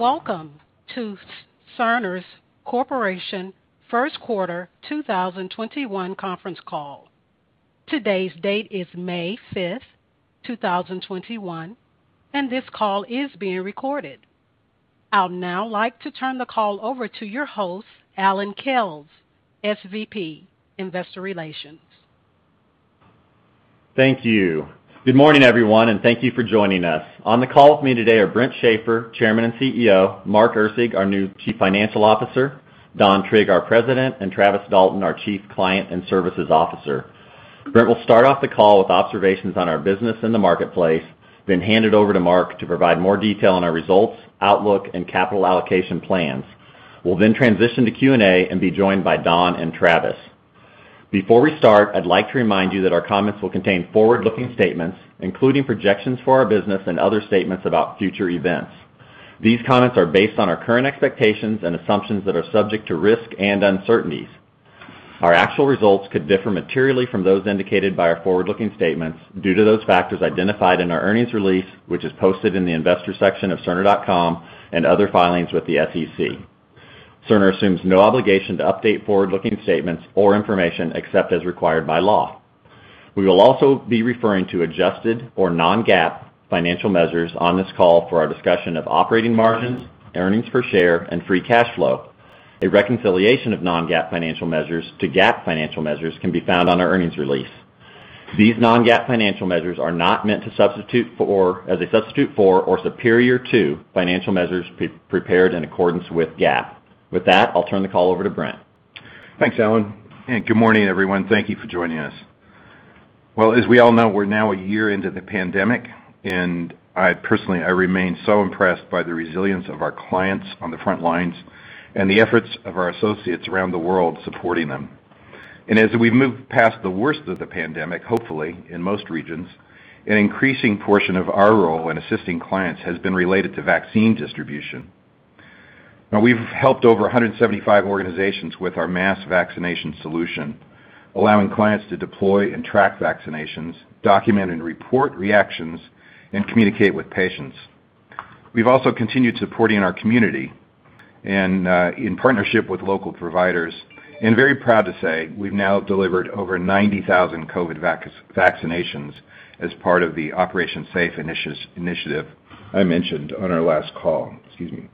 Welcome to Cerner Corporation First Quarter 2021 Conference Call. Today's date is May 5th, 2021, and this call is being recorded. I'll now like to turn the call over to your host, Allan Kells, SVP, Investor Relations. Thank you. Good morning, everyone, and thank you for joining us. On the call with me today are Brent Shafer, Chairman and CEO, Mark Erceg, our new Chief Financial Officer, Don Trigg, our President, and Travis Dalton, our Chief Client and Services Officer. Brent will start off the call with observations on our business in the marketplace. Hand it over to Mark to provide more detail on our results, outlook, and capital allocation plans. We'll then transition to Q&A. Be joined by Don and Travis. Before we start, I'd like to remind you that our comments will contain forward-looking statements, including projections for our business and other statements about future events. These comments are based on our current expectations and assumptions that are subject to risk and uncertainties. Our actual results could differ materially from those indicated by our forward-looking statements due to those factors identified in our earnings release, which is posted in the investor section of cerner.com and other filings with the SEC. Cerner assumes no obligation to update forward-looking statements or information except as required by law. We will also be referring to adjusted or non-GAAP financial measures on this call for our discussion of operating margins, earnings per share, and free cash flow. A reconciliation of non-GAAP financial measures to GAAP financial measures can be found on our earnings release. These non-GAAP financial measures are not meant as a substitute for or superior to financial measures prepared in accordance with GAAP. With that, I'll turn the call over to Brent. Thanks, Allan. Good morning, everyone. Thank you for joining us. As we all know, we're now a year into the pandemic. I personally remain so impressed by the resilience of our clients on the front lines and the efforts of our associates around the world supporting them. As we move past the worst of the pandemic, hopefully in most regions, an increasing portion of our role in assisting clients has been related to vaccine distribution. We've helped over 175 organizations with our mass vaccination solution, allowing clients to deploy and track vaccinations, document and report reactions, and communicate with patients. We've also continued supporting our community and in partnership with local providers, very proud to say we've now delivered over 90,000 COVID vaccinations as part of the Operation Safe Initiative I mentioned on our last call. Excuse me.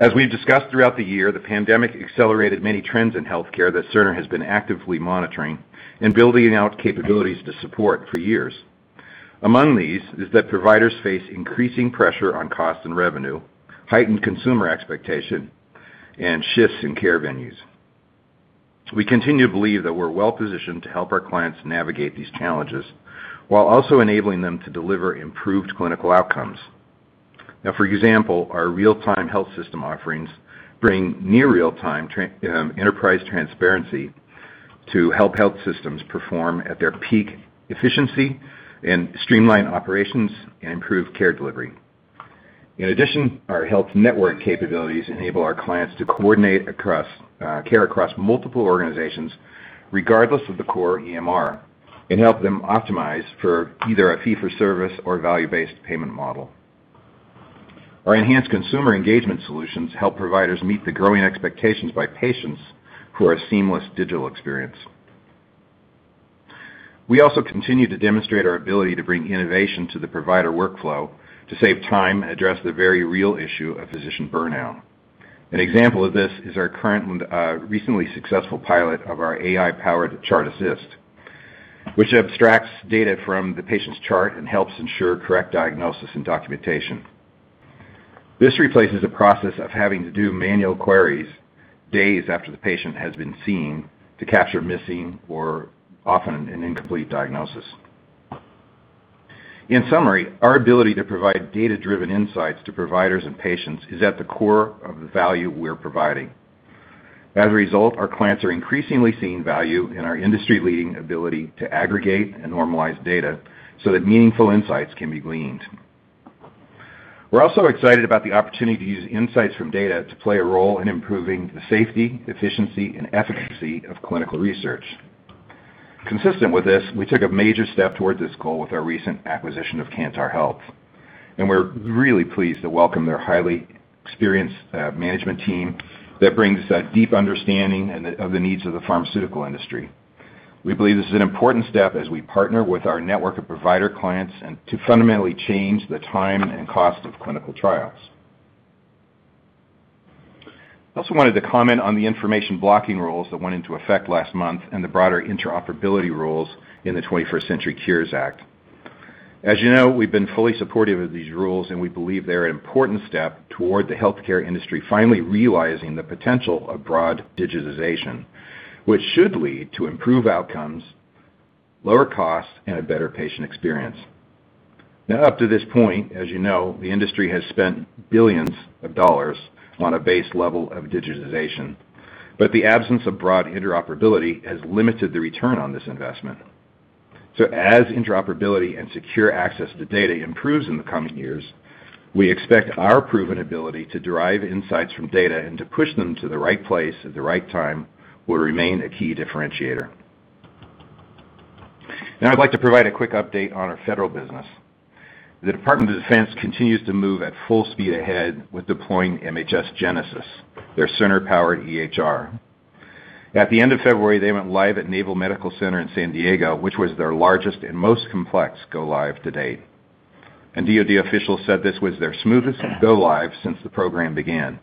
As we've discussed throughout the year, the pandemic accelerated many trends in healthcare that Cerner has been actively monitoring and building out capabilities to support for years. Among these is that providers face increasing pressure on cost and revenue, heightened consumer expectation, and shifts in care venues. We continue to believe that we're well-positioned to help our clients navigate these challenges while also enabling them to deliver improved clinical outcomes. For example, our real-time health system offerings bring near real-time enterprise transparency to help health systems perform at their peak efficiency and streamline operations and improve care delivery. In addition, our health network capabilities enable our clients to coordinate care across multiple organizations, regardless of the core EMR, and help them optimize for either a fee-for-service or value-based payment model. Our enhanced consumer engagement solutions help providers meet the growing expectations by patients who are a seamless digital experience. We also continue to demonstrate our ability to bring innovation to the provider workflow to save time and address the very real issue of physician burnout. An example of this is our recently successful pilot of our AI-powered Chart Assist, which abstracts data from the patient's chart and helps ensure correct diagnosis and documentation. This replaces the process of having to do manual queries days after the patient has been seen to capture missing or often an incomplete diagnosis. In summary, our ability to provide data-driven insights to providers and patients is at the core of the value we're providing. As a result, our clients are increasingly seeing value in our industry-leading ability to aggregate and normalize data so that meaningful insights can be gleaned. We're also excited about the opportunity to use insights from data to play a role in improving the safety, efficiency, and efficacy of clinical research. Consistent with this, we took a major step towards this goal with our recent acquisition of Kantar Health. We're really pleased to welcome their highly experienced management team that brings a deep understanding of the needs of the pharmaceutical industry. We believe this is an important step as we partner with our network of provider clients and to fundamentally change the time and cost of clinical trials. I also wanted to comment on the information blocking rules that went into effect last month and the broader interoperability rules in the 21st Century Cures Act. As you know, we've been fully supportive of these rules. We believe they're an important step toward the healthcare industry finally realizing the potential of broad digitization, which should lead to improved outcomes, lower costs, and a better patient experience. Up to this point, as you know, the industry has spent billions of dollars on a base level of digitization, but the absence of broad interoperability has limited the return on this investment. As interoperability and secure access to data improves in the coming years, we expect our proven ability to derive insights from data and to push them to the right place at the right time will remain a key differentiator. I'd like to provide a quick update on our federal business. The Department of Defense continues to move at full speed ahead with deploying MHS GENESIS, their Cerner-powered EHR. At the end of February, they went live at Naval Medical Center in San Diego, which was their largest and most complex go-live to date. DoD officials said this was their smoothest go-live since the program began.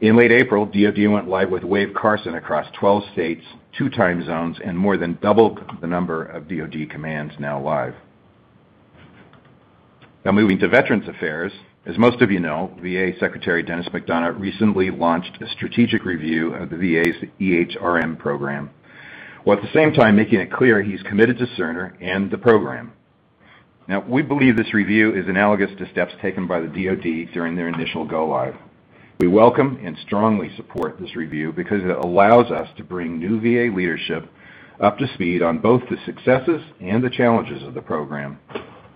In late April, DoD went live with Wave Carson across 12 states, two time zones, and more than doubled the number of DoD commands now live. Now moving to Veterans Affairs. As most of you know, VA Secretary Denis McDonough recently launched a strategic review of the VA's EHRM program, while at the same time making it clear he's committed to Cerner and the program. Now, we believe this review is analogous to steps taken by the DoD during their initial go-live. We welcome and strongly support this review because it allows us to bring new VA leadership up to speed on both the successes and the challenges of the program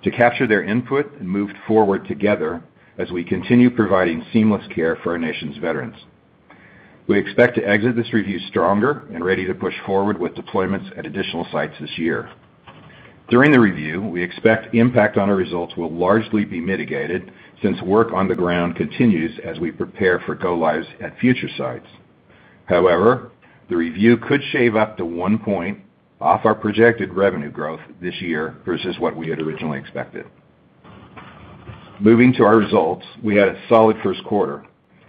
to capture their input and move forward together as we continue providing seamless care for our nation's veterans. We expect to exit this review stronger and ready to push forward with deployments at additional sites this year. During the review, we expect the impact on our results will largely be mitigated since work on the ground continues as we prepare for go-lives at future sites. However, the review could shave up to one point off our projected revenue growth this year versus what we had originally expected. Moving to our results, we had a solid first quarter.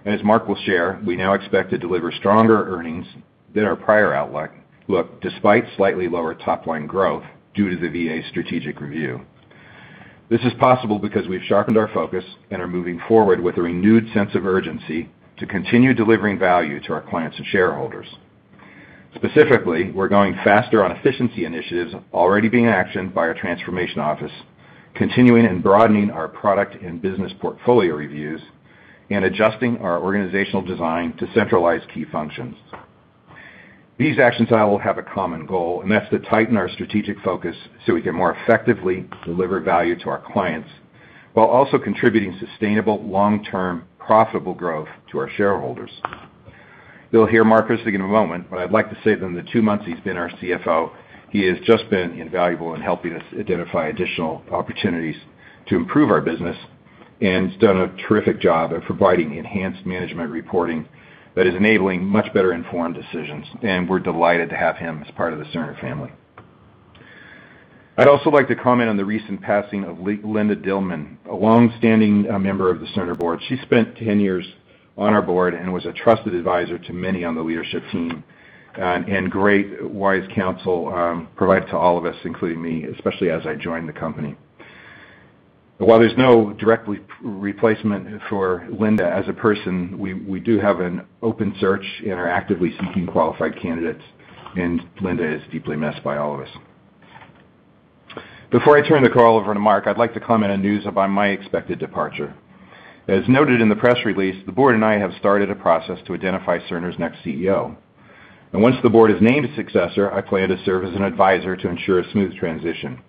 As Mark will share, we now expect to deliver stronger earnings than our prior outlook, despite slightly lower top-line growth due to the VA's strategic review. This is possible because we've sharpened our focus and are moving forward with a renewed sense of urgency to continue delivering value to our clients and shareholders. Specifically, we're going faster on efficiency initiatives already being actioned by our transformation office, continuing and broadening our product and business portfolio reviews, and adjusting our organizational design to centralize key functions. These actions all have a common goal, and that's to tighten our strategic focus so we can more effectively deliver value to our clients while also contributing sustainable, long-term, profitable growth to our shareholders. You'll hear Mark speaking in a moment, but I'd like to say that in the two months he's been our CFO, he has just been invaluable in helping us identify additional opportunities to improve our business and has done a terrific job at providing enhanced management reporting that is enabling much better informed decisions. We're delighted to have him as part of the Cerner family. I'd also like to comment on the recent passing of Linda Dillman, a long-standing member of the Cerner board. She spent 10 years on our board and was a trusted advisor to many on the leadership team, and great wise counsel provided to all of us, including me, especially as I joined the company. While there's no direct replacement for Linda as a person, we do have an open search and are actively seeking qualified candidates, and Linda is deeply missed by all of us. Before I turn the call over to Mark, I'd like to comment on news about my expected departure. As noted in the press release, the board and I have started a process to identify Cerner's next CEO. Once the board has named a successor, I plan to serve as an advisor to ensure a smooth transition.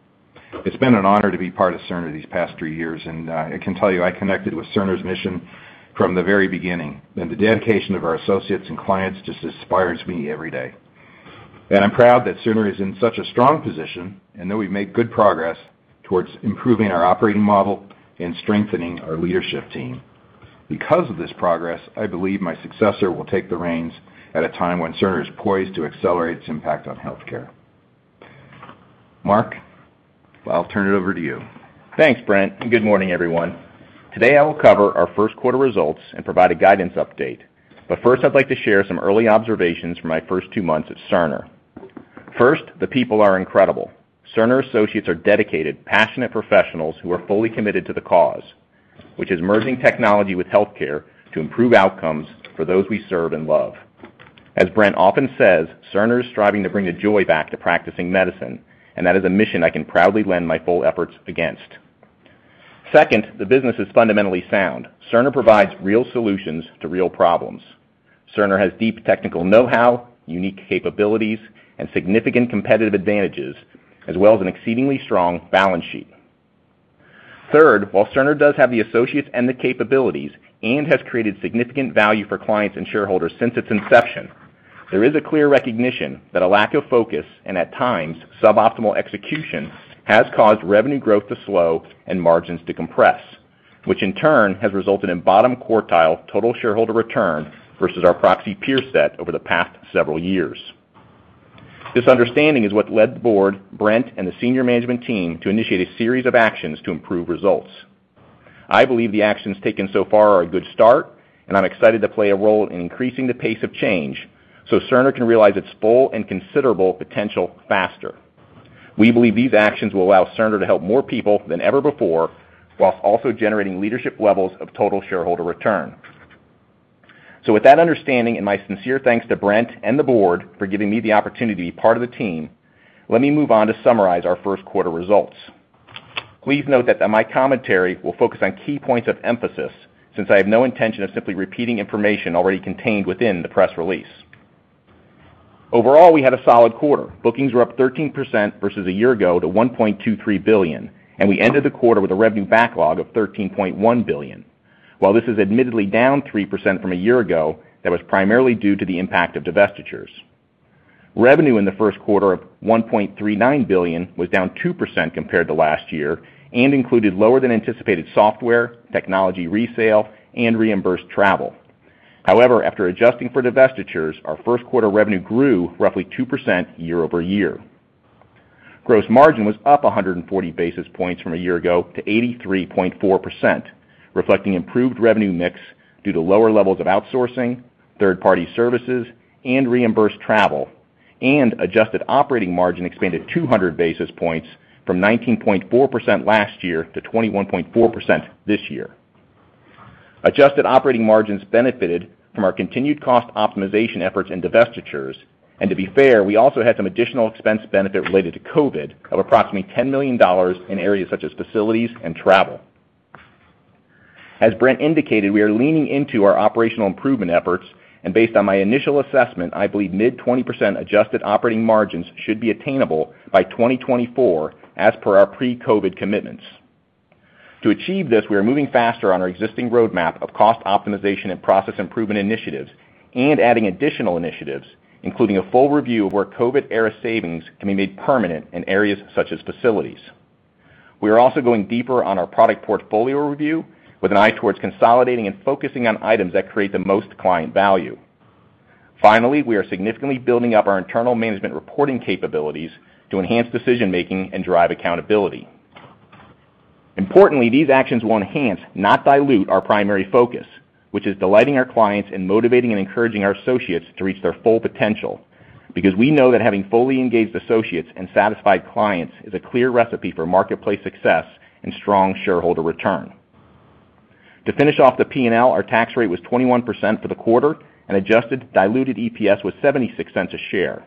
It's been an honor to be part of Cerner these past three years, and I can tell you I connected with Cerner's mission from the very beginning. The dedication of our associates and clients just inspires me every day. I'm proud that Cerner is in such a strong position and that we've made good progress towards improving our operating model and strengthening our leadership team. Because of this progress, I believe my successor will take the reins at a time when Cerner is poised to accelerate its impact on healthcare. Mark, I'll turn it over to you. Thanks, Brent, and good morning, everyone. Today, I will cover our first quarter results and provide a guidance update. First, I'd like to share some early observations from my first two months at Cerner. First, the people are incredible. Cerner associates are dedicated, passionate professionals who are fully committed to the cause, which is merging technology with healthcare to improve outcomes for those we serve and love. As Brent often says, Cerner is striving to bring the joy back to practicing medicine, and that is a mission I can proudly lend my full efforts against. Second, the business is fundamentally sound. Cerner provides real solutions to real problems. Cerner has deep technical know-how, unique capabilities, and significant competitive advantages, as well as an exceedingly strong balance sheet. Third, while Cerner does have the associates and the capabilities and has created significant value for clients and shareholders since its inception, there is a clear recognition that a lack of focus and at times suboptimal execution has caused revenue growth to slow and margins to compress, which in turn has resulted in bottom quartile total shareholder return versus our proxy peer set over the past several years. This understanding is what led the board, Brent, and the senior management team to initiate a series of actions to improve results. I believe the actions taken so far are a good start, and I'm excited to play a role in increasing the pace of change so Cerner can realize its full and considerable potential faster. We believe these actions will allow Cerner to help more people than ever before whilst also generating leadership levels of total shareholder return. With that understanding and my sincere thanks to Brent and the board for giving me the opportunity to be part of the team, let me move on to summarize our first quarter results. Please note that my commentary will focus on key points of emphasis since I have no intention of simply repeating information already contained within the press release. Overall, we had a solid quarter. Bookings were up 13% versus a year ago to $1.23 billion, and we ended the quarter with a revenue backlog of $13.1 billion. While this is admittedly down 3% from a year ago, that was primarily due to the impact of divestitures. Revenue in the first quarter of $1.39 billion was down 2% compared to last year and included lower than anticipated software, technology resale, and reimbursed travel. However, after adjusting for divestitures, our first quarter revenue grew roughly 2% year-over-year. Gross margin was up 140 basis points from a year ago to 83.4%, reflecting improved revenue mix due to lower levels of outsourcing, third-party services, and reimbursed travel, and adjusted operating margin expanded 200 basis points from 19.4% last year to 21.4% this year. Adjusted operating margins benefited from our continued cost optimization efforts and divestitures. To be fair, we also had some additional expense benefit related to COVID of approximately $10 million in areas such as facilities and travel. As Brent indicated, we are leaning into our operational improvement efforts, and based on my initial assessment, I believe mid 20% adjusted operating margins should be attainable by 2024 as per our pre-COVID commitments. To achieve this, we are moving faster on our existing roadmap of cost optimization and process improvement initiatives and adding additional initiatives, including a full review of where COVID-era savings can be made permanent in areas such as facilities. We are also going deeper on our product portfolio review with an eye towards consolidating and focusing on items that create the most client value. Finally, we are significantly building up our internal management reporting capabilities to enhance decision-making and drive accountability. Importantly, these actions will enhance, not dilute, our primary focus, which is delighting our clients and motivating and encouraging our associates to reach their full potential. Because we know that having fully engaged associates and satisfied clients is a clear recipe for marketplace success and strong shareholder return. To finish off the P&L, our tax rate was 21% for the quarter, and adjusted diluted EPS was $0.76 a share.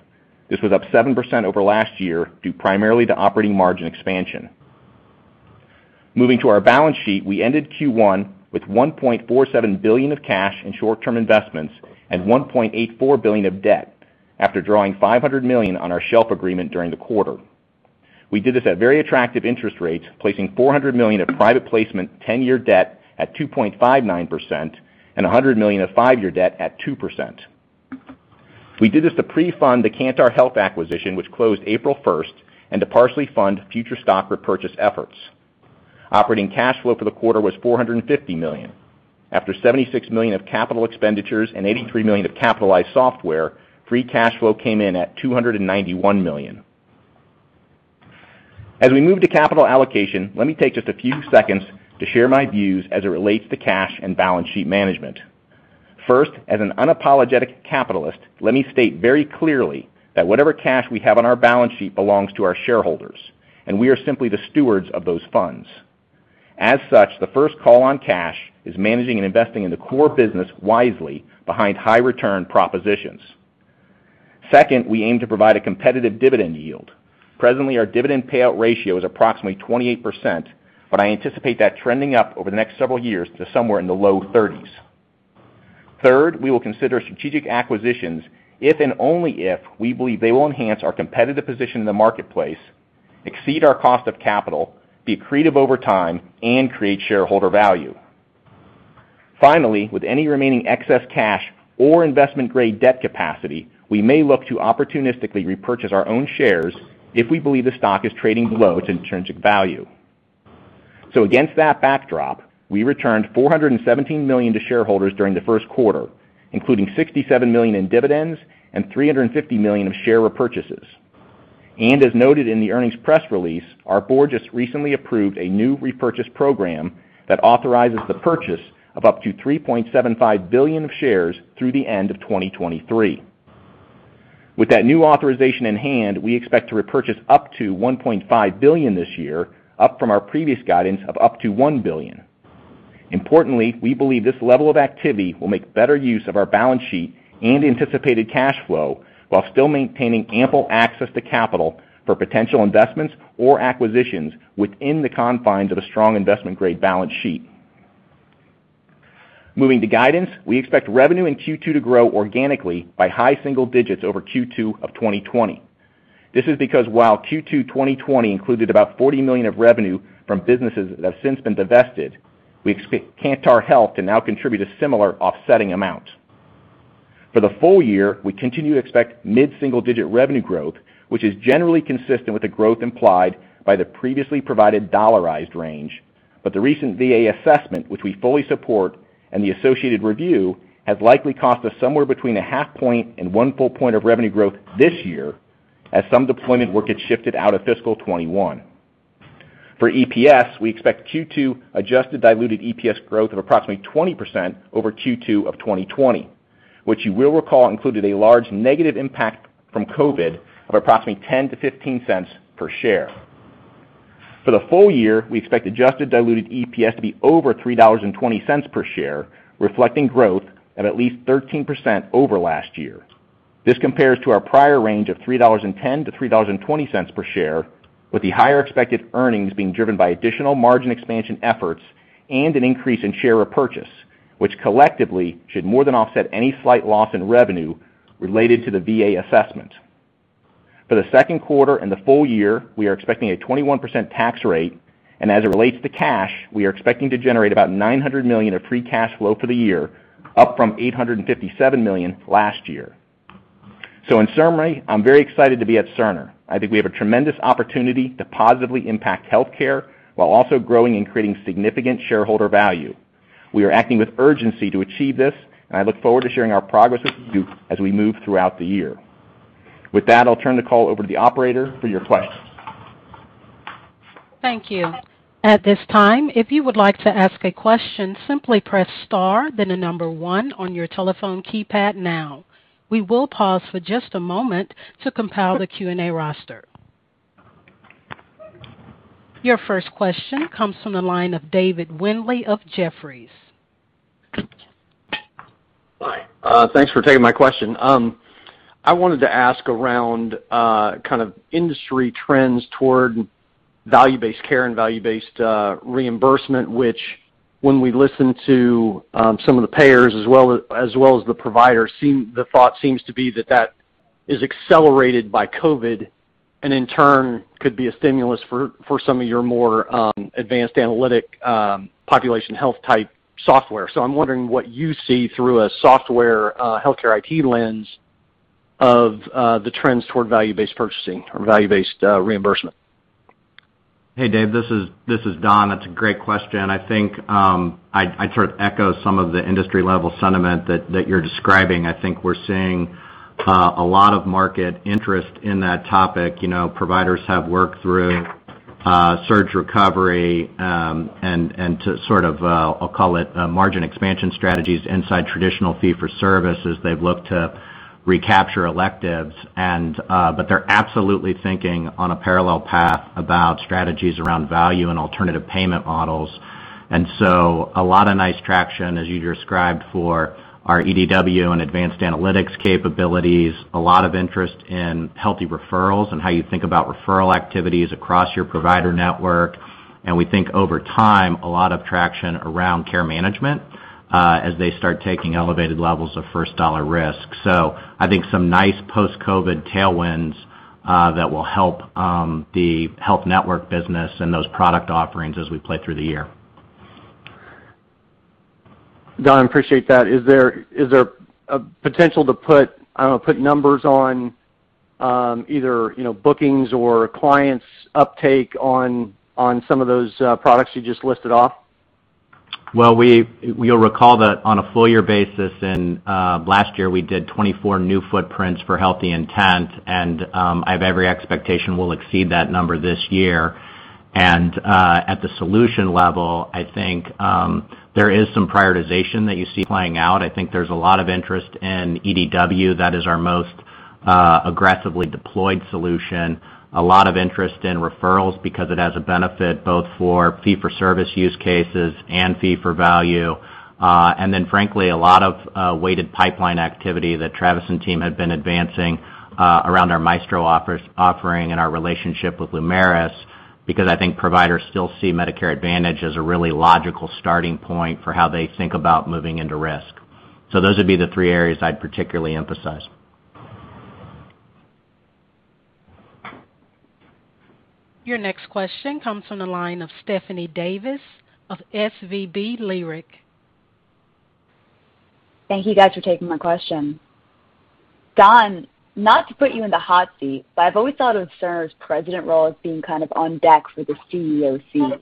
This was up 7% over last year due primarily to operating margin expansion. Moving to our balance sheet, we ended Q1 with $1.47 billion of cash and short-term investments and $1.84 billion of debt after drawing $500 million on our shelf agreement during the quarter. We did this at very attractive interest rates, placing $400 million of private placement, 10-year debt at 2.59%, and $100 million of five-year debt at 2%. We did this to pre-fund the Kantar Health acquisition, which closed April 1st, and to partially fund future stock repurchase efforts. Operating cash flow for the quarter was $450 million. After $76 million of capital expenditures and $83 million of capitalized software, free cash flow came in at $291 million. As we move to capital allocation, let me take just a few seconds to share my views as it relates to cash and balance sheet management. First, as an unapologetic capitalist, let me state very clearly that whatever cash we have on our balance sheet belongs to our shareholders, and we are simply the stewards of those funds. As such, the first call on cash is managing and investing in the core business wisely behind high return propositions. Second, we aim to provide a competitive dividend yield. Presently, our dividend payout ratio is approximately 28%, but I anticipate that trending up over the next several years to somewhere in the low 30s. Third, we will consider strategic acquisitions if and only if we believe they will enhance our competitive position in the marketplace, exceed our cost of capital, be accretive over time, and create shareholder value. Finally, with any remaining excess cash or investment-grade debt capacity, we may look to opportunistically repurchase our own shares if we believe the stock is trading below its intrinsic value. Against that backdrop, we returned $417 million to shareholders during the first quarter, including $67 million in dividends and $350 million of share repurchases. As noted in the earnings press release, our board just recently approved a new repurchase program that authorizes the purchase of up to $3.75 billion of shares through the end of 2023. With that new authorization in hand, we expect to repurchase up to $1.5 billion this year, up from our previous guidance of up to $1 billion. Importantly, we believe this level of activity will make better use of our balance sheet and anticipated cash flow while still maintaining ample access to capital for potential investments or acquisitions within the confines of a strong investment-grade balance sheet. Moving to guidance, we expect revenue in Q2 to grow organically by high single digits over Q2 of 2020. This is because while Q2 2020 included about $40 million of revenue from businesses that have since been divested, we expect Kantar Health to now contribute a similar offsetting amount. For the full year, we continue to expect mid-single-digit revenue growth, which is generally consistent with the growth implied by the previously provided dollarized range. The recent VA assessment, which we fully support, and the associated review, has likely cost us somewhere between a 0.5 point and 1 full point of revenue growth this year as some deployment work gets shifted out of fiscal 2021. For EPS, we expect Q2 adjusted diluted EPS growth of approximately 20% over Q2 2020, which you will recall included a large negative impact from COVID of approximately $0.10-$0.15 per share. For the full year, we expect adjusted diluted EPS to be over $3.20 per share, reflecting growth at least 13% over last year. This compares to our prior range of $3.10-$3.20 per share, with the higher expected earnings being driven by additional margin expansion efforts and an increase in share repurchase. Collectively should more than offset any slight loss in revenue related to the VA assessment. For the second quarter and the full year, we are expecting a 21% tax rate, and as it relates to cash, we are expecting to generate about $900 million of free cash flow for the year, up from $857 million last year. In summary, I'm very excited to be at Cerner. I think we have a tremendous opportunity to positively impact healthcare while also growing and creating significant shareholder value. We are acting with urgency to achieve this, and I look forward to sharing our progress with you as we move throughout the year. With that, I'll turn the call over to the operator for your questions. Thank you. At this time, if you would like to ask a question, simply press star, then the number one on your telephone keypad now. We will pause for just a moment to compile the Q&A roster. Your first question comes from the line of David Windley of Jefferies. Hi. Thanks for taking my question. I wanted to ask around industry trends toward value-based care and value-based reimbursement, which, when we listen to some of the payers as well as the providers, the thought seems to be that is accelerated by COVID, and in turn could be a stimulus for some of your more advanced analytic population health type software. I'm wondering what you see through a software healthcare IT lens of the trends toward value-based purchasing or value-based reimbursement. Hey, David, this is Don. That's a great question. I think I'd sort of echo some of the industry-level sentiment that you're describing. I think we're seeing a lot of market interest in that topic. Providers have worked through surge recovery, and to sort of, I'll call it, margin expansion strategies inside traditional fee for service as they've looked to recapture electives. They're absolutely thinking on a parallel path about strategies around value and alternative payment models. A lot of nice traction, as you described, for our EDW and advanced analytics capabilities, a lot of interest in HealtheReferrals and how you think about referral activities across your provider network. We think over time, a lot of traction around care management, as they start taking elevated levels of first dollar risk. I think some nice post-COVID tailwinds that will help the health network business and those product offerings as we play through the year. Don, appreciate that. Is there a potential to put numbers on either bookings or clients uptake on some of those products you just listed off? Well, you'll recall that on a full year basis in last year, we did 24 new footprints for HealtheIntent, and I have every expectation we'll exceed that number this year. At the solution level, I think there is some prioritization that you see playing out. I think there's a lot of interest in EDW. That is our most aggressively deployed solution. A lot of interest in HealtheReferrals because it has a benefit both for fee-for-service use cases and fee for value. Frankly, a lot of weighted pipeline activity that Travis and team have been advancing around our Maestro Advantage and our relationship with Lumeris, because I think providers still see Medicare Advantage as a really logical starting point for how they think about moving into risk. Those would be the three areas I'd particularly emphasize. Your next question comes from the line of Stephanie Davis of SVB Leerink. Thank you guys for taking my question. Don, not to put you in the hot seat, but I've always thought of Cerner's president role as being kind of on deck for the CEO seat.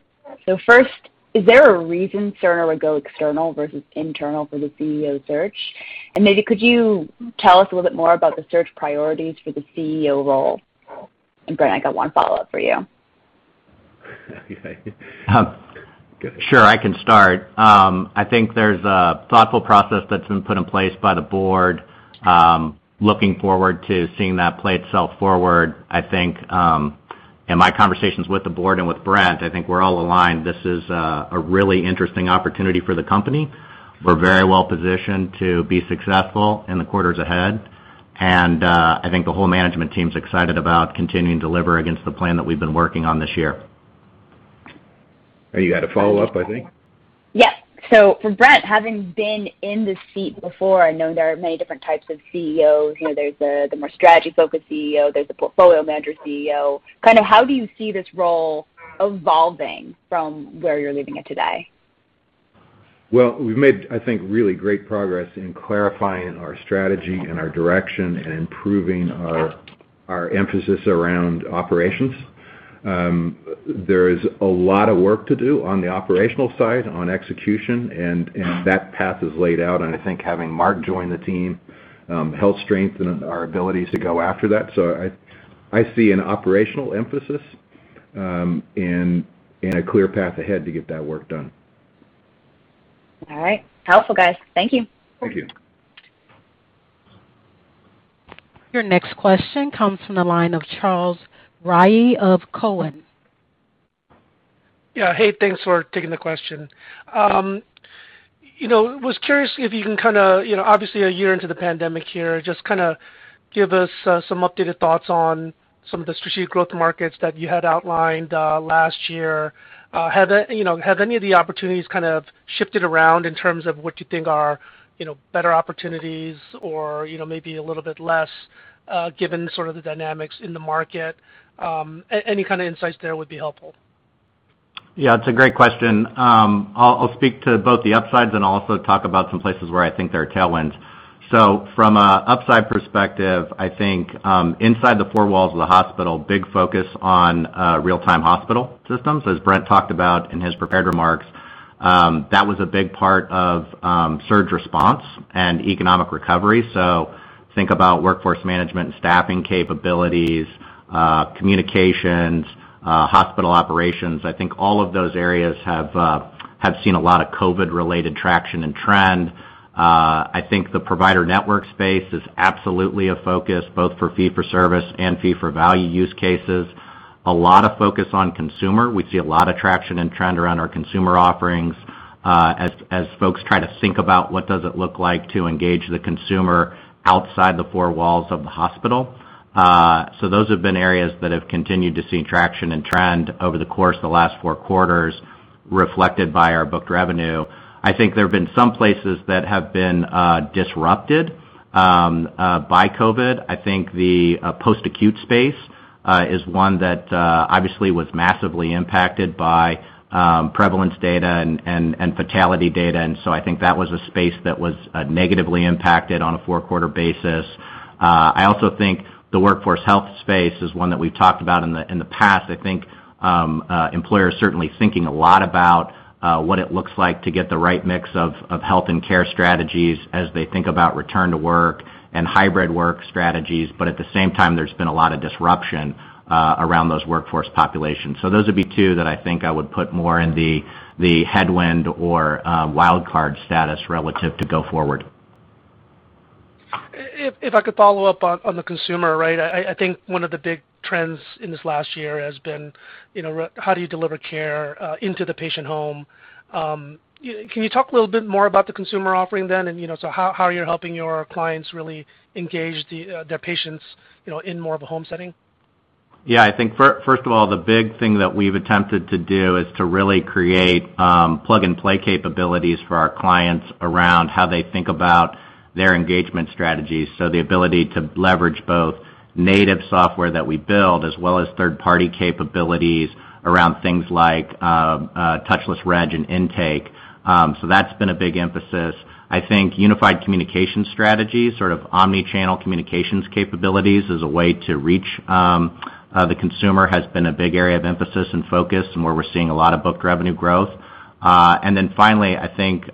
First, is there a reason Cerner would go external versus internal for the CEO search? Maybe could you tell us a little bit more about the search priorities for the CEO role? Brent, I got one follow-up for you. Sure, I can start. I think there's a thoughtful process that's been put in place by the board, looking forward to seeing that play itself forward. I think in my conversations with the board and with Brent, I think we're all aligned. This is a really interesting opportunity for the company. We're very well positioned to be successful in the quarters ahead, and I think the whole management team's excited about continuing to deliver against the plan that we've been working on this year. You got a follow-up, I think. Yeah. For Brent, having been in the seat before, I know there are many different types of CEOs. There's the more strategy-focused CEO, there's the portfolio manager CEO. How do you see this role evolving from where you're leaving it today? Well, we've made, I think, really great progress in clarifying our strategy and our direction and improving our emphasis around operations. There is a lot of work to do on the operational side, on execution, and that path is laid out, and I think having Mark join the team helped strengthen our abilities to go after that. I see an operational emphasis and a clear path ahead to get that work done. All right. Helpful, guys. Thank you. Thank you. Your next question comes from the line of Charles Rhyee of Cowen. Yeah. Hey, thanks for taking the question. Was curious if you can, obviously a year into the pandemic here, just give us some updated thoughts on some of the strategic growth markets that you had outlined last year, have any of the opportunities kind of shifted around in terms of what you think are better opportunities or maybe a little bit less, given the dynamics in the market? Any kind of insights there would be helpful. Yeah. It's a great question. I'll speak to both the upsides and also talk about some places where I think there are tailwinds. From an upside perspective, I think inside the four walls of the hospital, big focus on real-time health system, as Brent talked about in his prepared remarks. That was a big part of surge response and economic recovery. Think about workforce management and staffing capabilities, communications, hospital operations. I think all of those areas have seen a lot of COVID-related traction and trend. I think the provider network space is absolutely a focus, both for fee-for-service and fee-for-value use cases. A lot of focus on consumer. We see a lot of traction and trend around our consumer offerings, as folks try to think about what does it look like to engage the consumer outside the four walls of the hospital. Those have been areas that have continued to see traction and trend over the course of the last four quarters, reflected by our booked revenue. I think there have been some places that have been disrupted by COVID. I think the post-acute space is one that obviously was massively impacted by prevalence data and fatality data, and so I think that was a space that was negatively impacted on a four-quarter basis. I also think the workforce health space is one that we've talked about in the past. I think employers certainly thinking a lot about what it looks like to get the right mix of health and care strategies as they think about return to work and hybrid work strategies. At the same time, there's been a lot of disruption around those workforce populations. Those would be two that I think I would put more in the headwind or wildcard status relative to go forward. If I could follow up on the consumer, right? I think one of the big trends in this last year has been how do you deliver care into the patient home. Can you talk a little bit more about the consumer offering then, and so how you're helping your clients really engage their patients in more of a home setting? Yeah. I think first of all, the big thing that we've attempted to do is to really create plug-and-play capabilities for our clients around how they think about their engagement strategies. The ability to leverage both native software that we build as well as third-party capabilities around things like touchless reg and intake. That's been a big emphasis. I think unified communication strategy, sort of omni-channel communications capabilities as a way to reach the consumer, has been a big area of emphasis and focus and where we're seeing a lot of booked revenue growth. Then finally, I think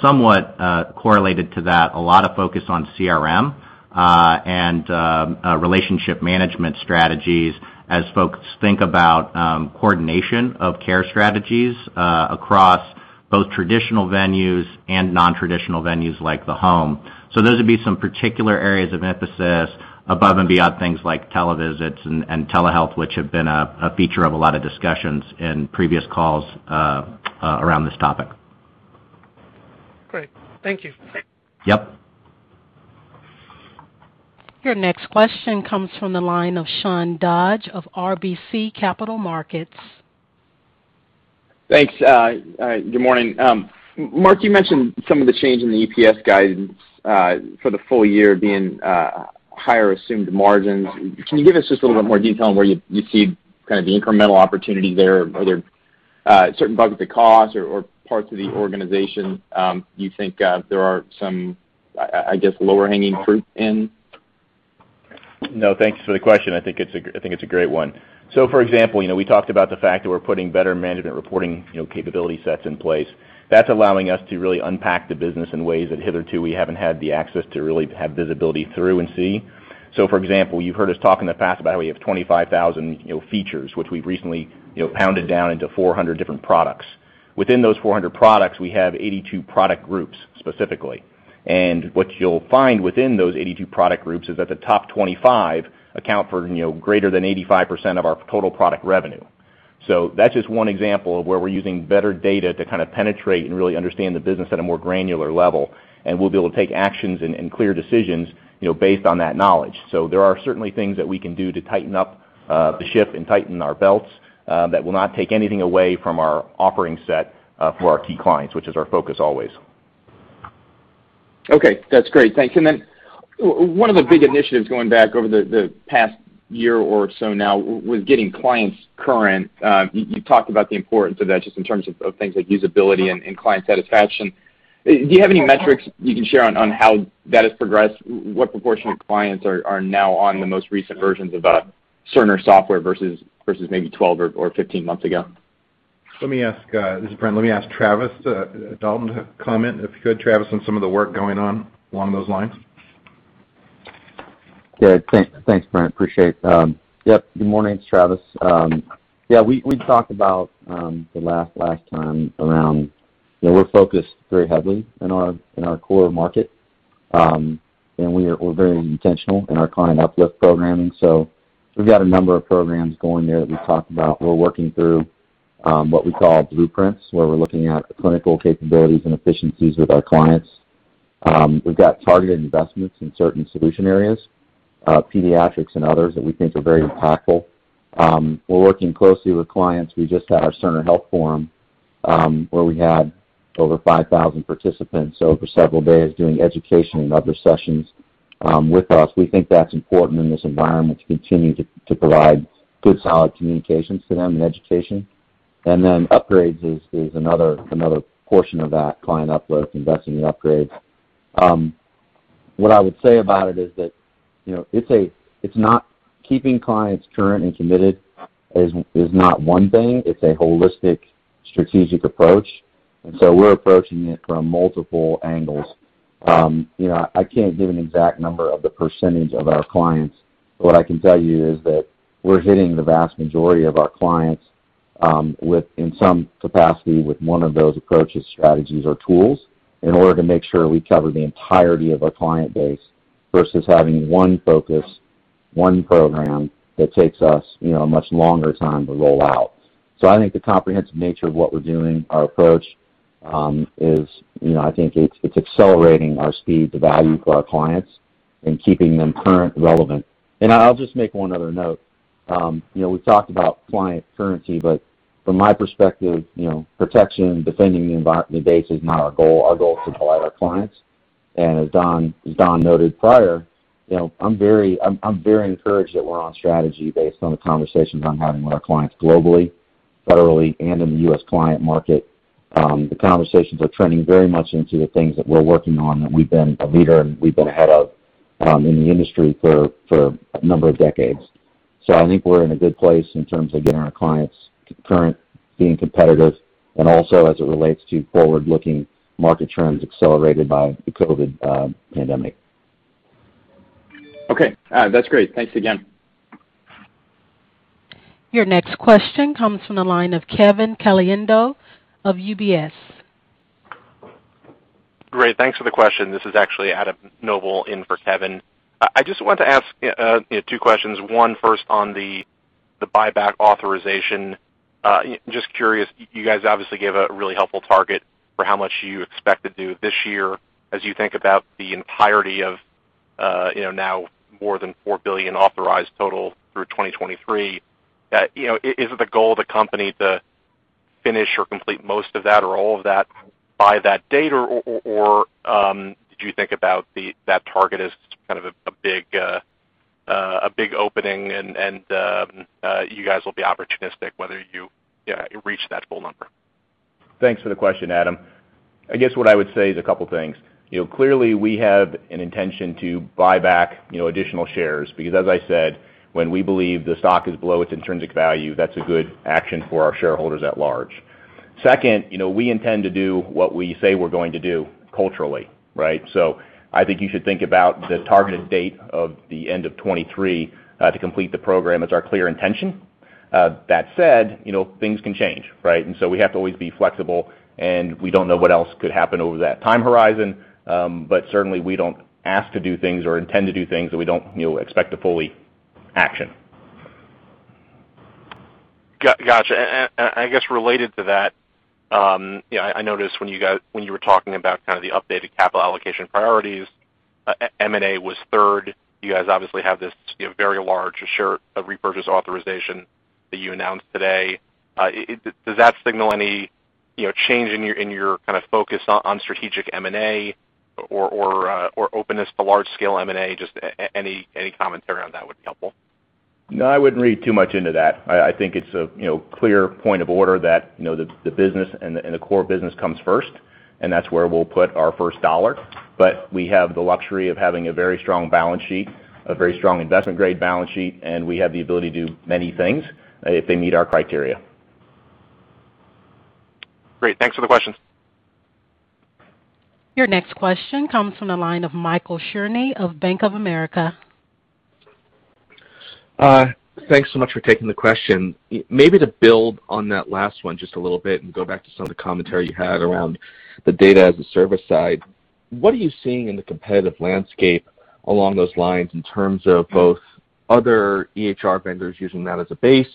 somewhat correlated to that, a lot of focus on CRM and relationship management strategies as folks think about coordination of care strategies across both traditional venues and non-traditional venues like the home. Those would be some particular areas of emphasis above and beyond things like televisits and telehealth, which have been a feature of a lot of discussions in previous calls around this topic. Great. Thank you. Yep. Your next question comes from the line of Sean Dodge of RBC Capital Markets. Thanks. Good morning. Mark, you mentioned some of the change in the EPS guidance for the full year being higher assumed margins. Can you give us just a little bit more detail on where you see kind of the incremental opportunity there? Are there certain buckets of cost or parts of the organization you think there are some, I guess, lower hanging fruit in? Thanks for the question. I think it's a great one. For example, we talked about the fact that we're putting better management reporting capability sets in place. That's allowing us to really unpack the business in ways that hitherto we haven't had the access to really have visibility through and see. For example, you've heard us talk in the past about how we have 25,000 features, which we've recently pounded down into 400 different products. Within those 400 products, we have 82 product groups specifically. What you'll find within those 82 product groups is that the top 25 account for greater than 85% of our total product revenue. That's just one example of where we're using better data to kind of penetrate and really understand the business at a more granular level. We'll be able to take actions and clear decisions based on that knowledge. There are certainly things that we can do to tighten up the ship and tighten our belts that will not take anything away from our offering set for our key clients, which is our focus always. Okay. That's great. Thanks. One of the big initiatives going back over the past year or so now was getting clients current. You talked about the importance of that just in terms of things like usability and client satisfaction. Do you have any metrics you can share on how that has progressed? What proportion of clients are now on the most recent versions of Cerner software versus maybe 12 or 15 months ago? This is Brent. Let me ask Travis Dalton to comment, if you could, Travis, on some of the work going on along those lines. Good. Thanks, Brent. Appreciate it. Yep. Good morning. It's Travis. Yeah, we talked about the last time around, we're focused very heavily in our core market. We're very intentional in our client uplift programming. We've got a number of programs going there that we talked about. We're working through what we call blueprints, where we're looking at clinical capabilities and efficiencies with our clients. We've got targeted investments in certain solution areas, pediatrics and others, that we think are very impactful. We're working closely with clients. We just had our Cerner Health Conference, where we had over 5,000 participants over several days doing education and other sessions with us. We think that's important in this environment to continue to provide good, solid communications to them and education. Upgrades is another portion of that client uplift, investing in upgrades. What I would say about it is that keeping clients current and committed is not one thing, it's a holistic strategic approach. We're approaching it from multiple angles. I can't give an exact number of the percentage of our clients, but what I can tell you is that we're hitting the vast majority of our clients in some capacity with one of those approaches, strategies, or tools in order to make sure we cover the entirety of our client base versus having one focus, one program that takes us a much longer time to roll out. I think the comprehensive nature of what we're doing, our approach, I think it's accelerating our speed to value for our clients and keeping them current and relevant. I'll just make one other note. We've talked about client currency, from my perspective, protection, defending the base is not our goal. Our goal is to delight our clients. As Don noted prior, I'm very encouraged that we're on strategy based on the conversations I'm having with our clients globally, federally, and in the U.S. client market. The conversations are trending very much into the things that we're working on, that we've been a leader and we've been ahead of in the industry for a number of decades. I think we're in a good place in terms of getting our clients current, being competitive, and also as it relates to forward-looking market trends accelerated by the COVID pandemic. Okay. That's great. Thanks again. Your next question comes from the line of Kevin Caliendo of UBS. Great. Thanks for the question. This is actually Adam Noble in for Kevin. I just wanted to ask two questions. One first on the buyback authorization. Just curious, you guys obviously gave a really helpful target for how much you expect to do this year. As you think about the entirety of now more than $4 billion authorized total through 2023, is it the goal of the company to finish or complete most of that or all of that by that date? Or did you think about that target as kind of a big opening and you guys will be opportunistic whether you reach that full number? Thanks for the question, Adam. I guess what I would say is a couple things. Clearly we have an intention to buy back additional shares because, as I said, when we believe the stock is below its intrinsic value, that's a good action for our shareholders at large. Second, we intend to do what we say we're going to do culturally, right? I think you should think about the targeted date of the end of 2023 to complete the program as our clear intention. That said, things can change, right? We have to always be flexible, and we don't know what else could happen over that time horizon. Certainly we don't ask to do things or intend to do things that we don't expect to fully action. Got you. I guess related to that, I noticed when you were talking about the updated capital allocation priorities, M&A was third. You guys obviously have this very large share repurchase authorization that you announced today. Does that signal any change in your focus on strategic M&A or openness to large-scale M&A? Just any commentary on that would be helpful. No, I wouldn't read too much into that. I think it's a clear point of order that the business and the core business comes first, and that's where we'll put our first dollar. We have the luxury of having a very strong balance sheet, a very strong investment-grade balance sheet, and we have the ability to do many things if they meet our criteria. Great. Thanks for the question. Your next question comes from the line of Michael Cherny of Bank of America. Thanks so much for taking the question. Maybe to build on that last one just a little bit and go back to some of the commentary you had around the data as a service side, what are you seeing in the competitive landscape along those lines in terms of both other EHR vendors using that as a base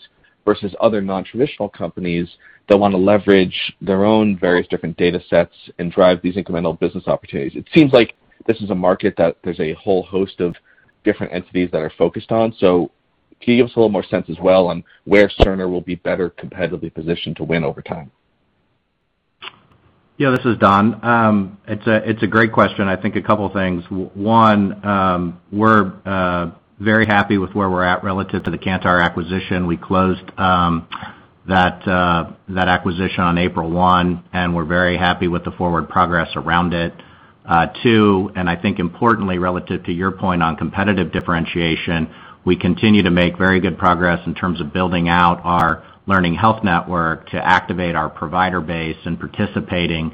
versus other non-traditional companies that want to leverage their own various different data sets and drive these incremental business opportunities? It seems like this is a market that there's a whole host of different entities that are focused on. Can you give us a little more sense as well on where Cerner will be better competitively positioned to win over time? Yeah, this is Don. It's a great question. I think a couple things. One, we're very happy with where we're at relative to the Kantar acquisition. We closed that acquisition on April 1. We're very happy with the forward progress around it. Two, I think importantly relative to your point on competitive differentiation, we continue to make very good progress in terms of building out our Learning Health Network to activate our provider base and participating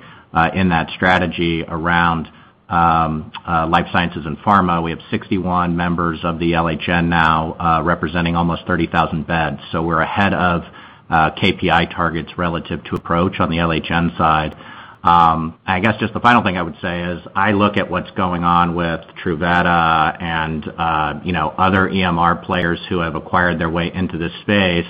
in that strategy around life sciences and pharma. We have 61 members of the LHN now, representing almost 30,000 beds. We're ahead of KPI targets relative to approach on the LHN side. I guess just the final thing I would say is, I look at what's going on with Truveta and other EMR players who have acquired their way into this space.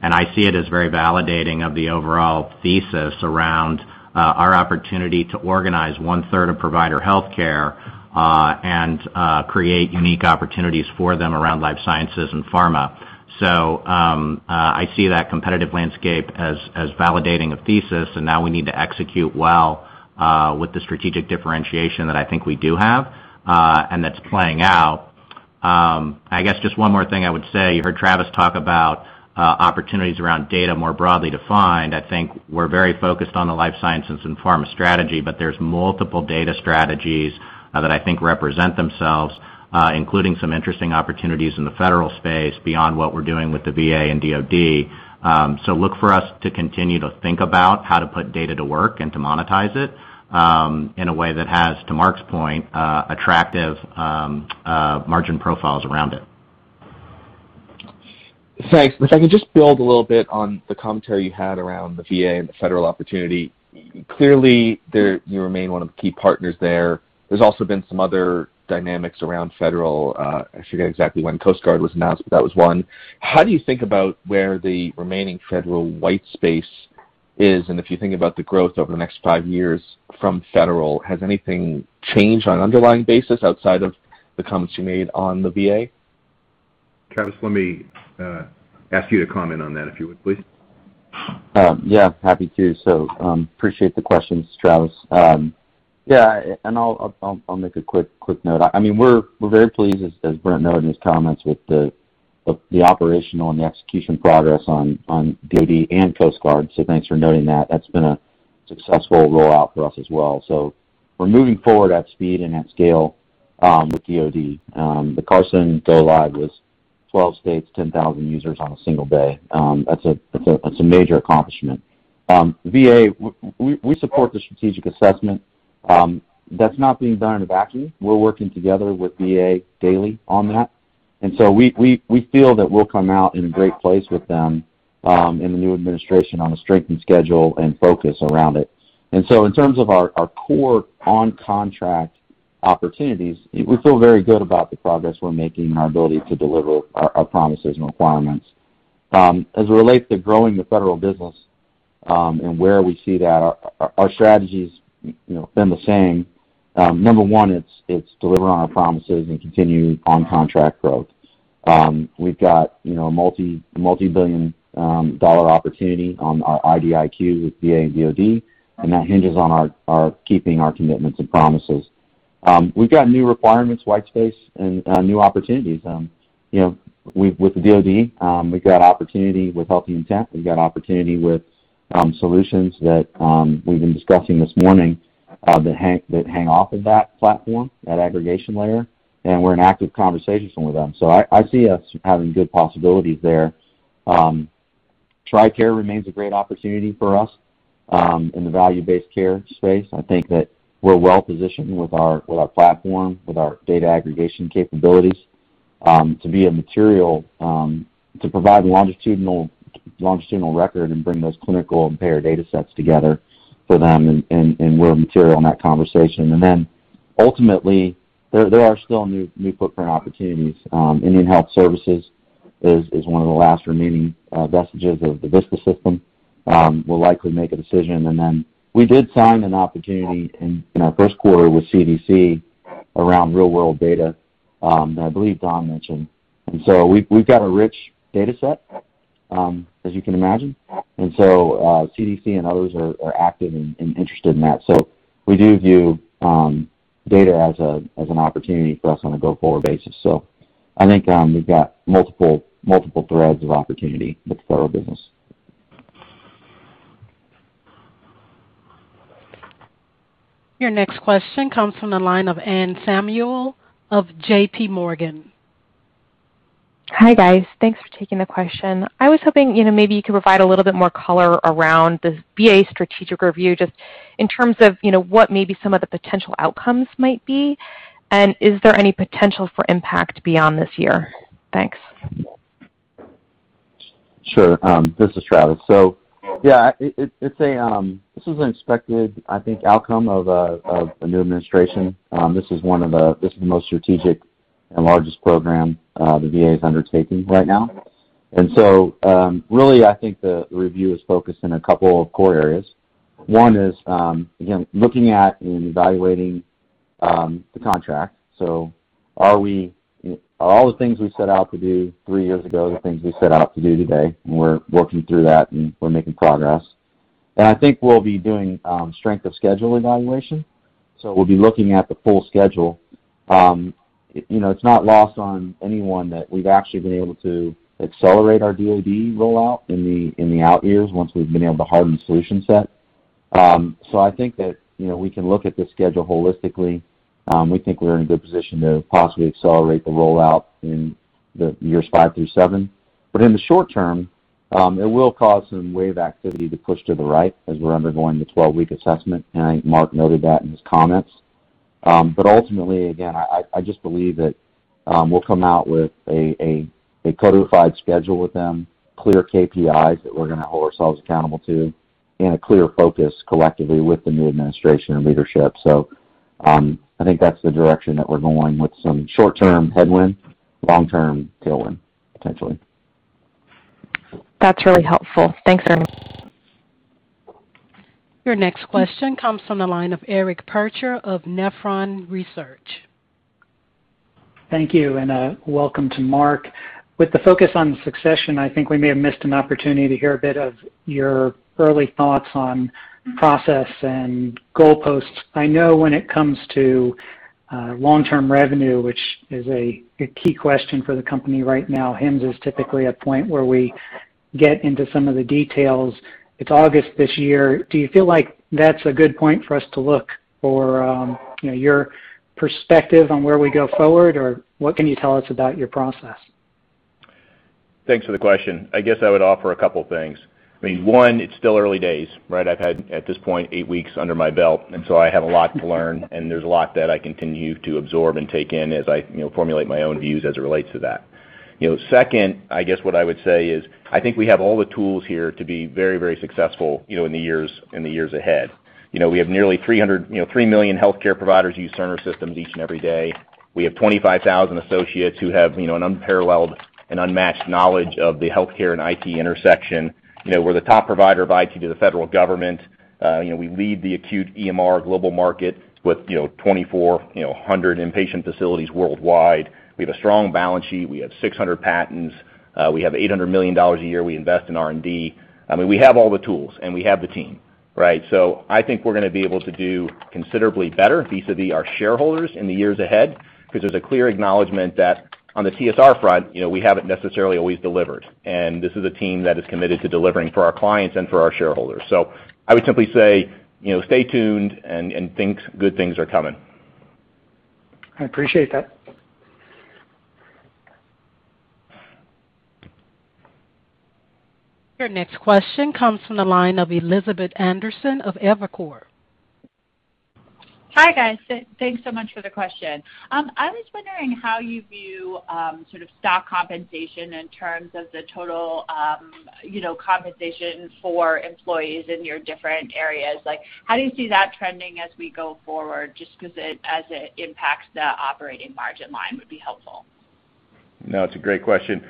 I see it as very validating of the overall thesis around our opportunity to organize 1/3 of provider healthcare and create unique opportunities for them around life sciences and pharma. I see that competitive landscape as validating a thesis, and now we need to execute well with the strategic differentiation that I think we do have and that's playing out. I guess just one more thing I would say, you heard Travis talk about opportunities around data more broadly defined. I think we're very focused on the life sciences and pharma strategy, there's multiple data strategies that I think represent themselves, including some interesting opportunities in the federal space beyond what we're doing with the VA and DoD. Look for us to continue to think about how to put data to work and to monetize it in a way that has, to Mark's point, attractive margin profiles around it. Thanks. If I could just build a little bit on the commentary you had around the VA and the federal opportunity. Clearly, you remain one of the key partners there. There's also been some other dynamics around federal. I forget exactly when Coast Guard was announced, but that was one. How do you think about where the remaining federal white space is? If you think about the growth over the next five years from federal, has anything changed on an underlying basis outside of the comments you made on the VA? Travis, let me ask you to comment on that, if you would, please. Happy to. Appreciate the questions, Travis. I'll make a quick note. We're very pleased, as Brent noted in his comments, with the operational and the execution progress on DoD and Coast Guard. Thanks for noting that. That's been a successful rollout for us as well. We're moving forward at speed and at scale with DoD. The Carson go-live was 12 states, 10,000 users on a single day. That's a major accomplishment. VA, we support the strategic assessment. That's not being done in a vacuum. We're working together with VA daily on that. We feel that we'll come out in a great place with them in the new administration on a strengthened schedule and focus around it. In terms of our core on-contract opportunities, we feel very good about the progress we're making and our ability to deliver our promises and requirements. As it relates to growing the federal business and where we see that, our strategy's been the same. Number one, it's deliver on our promises and continue on-contract growth. We've got a multi-billion dollar opportunity on our IDIQ with VA and DoD, and that hinges on our keeping our commitments and promises. We've got new requirements, white space, and new opportunities. With the DoD, we've got opportunity with HealtheIntent. We've got opportunity with solutions that we've been discussing this morning that hang off of that platform, that aggregation layer, and we're in active conversations with them. I see us having good possibilities there. TRICARE remains a great opportunity for us in the value-based care space. I think that we're well-positioned with our platform, with our data aggregation capabilities, to be a material to provide longitudinal record and bring those clinical and payer data sets together for them, and we're a material in that conversation. Ultimately, there are still new footprint opportunities. Indian Health Service is one of the last remaining vestiges of the VistA system. We'll likely make a decision. We did sign an opportunity in our first quarter with CDC around real-world data that I believe Don mentioned. We've got a rich data set, as you can imagine. CDC and others are active and interested in that. We do view data as an opportunity for us on a go-forward basis. I think we've got multiple threads of opportunity with the federal business. Your next question comes from the line of Anne Samuel of JPMorgan. Hi, guys. Thanks for taking the question. I was hoping maybe you could provide a little bit more color around the VA strategic review, just in terms of what maybe some of the potential outcomes might be, and is there any potential for impact beyond this year? Thanks. Sure. This is Travis. Yeah, this is an expected, I think, outcome of a new administration. This is the most strategic and largest program the VA is undertaking right now. Really, I think the review is focused in a couple of core areas. One is, again, looking at and evaluating the contract. Are all the things we set out to do three years ago, the things we set out to do today, and we're working through that and we're making progress. I think we'll be doing strength of schedule evaluation. We'll be looking at the full schedule. It's not lost on anyone that we've actually been able to accelerate our DoD rollout in the out years once we've been able to harden the solution set. I think that we can look at this schedule holistically. We think we're in a good position to possibly accelerate the rollout in the years five through seven. In the short term, it will cause some wave activity to push to the right as we're undergoing the 12-week assessment, and I think Mark Erceg noted that in his comments. Ultimately, again, I just believe that we'll come out with a codified schedule with them, clear KPIs that we're going to hold ourselves accountable to, and a clear focus collectively with the new administration and leadership. I think that's the direction that we're going with some short-term headwind, long-term tailwind, potentially. That's really helpful. Thanks, Mark Erceg. Your next question comes from the line of Eric Percher of Nephron Research. Thank you. Welcome to Mark. With the focus on succession, I think we may have missed an opportunity to hear a bit of your early thoughts on process and goalposts. I know when it comes to long-term revenue, which is a key question for the company right now, HIMSS is typically a point where we get into some of the details. It's August this year. Do you feel like that's a good point for us to look for your perspective on where we go forward? What can you tell us about your process? Thanks for the question. I guess I would offer a couple things. One, it's still early days, right? I've had, at this point, eight weeks under my belt, and so I have a lot to learn, and there's a lot that I continue to absorb and take in as I formulate my own views as it relates to that. Second, I guess what I would say is, I think we have all the tools here to be very successful in the years ahead. We have nearly 3 million healthcare providers use Cerner systems each and every day. We have 25,000 associates who have an unparalleled and unmatched knowledge of the healthcare and IT intersection. We're the top provider of IT to the federal government. We lead the acute EMR global market with 2,400 inpatient facilities worldwide. We have a strong balance sheet. We have 600 patents. We have $800 million a year we invest in R&D. We have all the tools, we have the team, right? I think we're going to be able to do considerably better vis-a-vis our shareholders in the years ahead, because there's a clear acknowledgment that on the TSR front, we haven't necessarily always delivered. This is a team that is committed to delivering for our clients and for our shareholders. I would simply say, stay tuned and good things are coming. I appreciate that. Your next question comes from the line of Elizabeth Anderson of Evercore. Hi, guys. Thanks so much for the question. I was wondering how you view sort of stock compensation in terms of the total compensation for employees in your different areas. How do you see that trending as we go forward, just as it impacts the operating margin line, would be helpful? It's a great question.